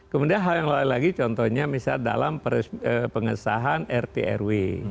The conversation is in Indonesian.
kemudian hal yang lain lagi contohnya misalnya dalam pengesahan rt rw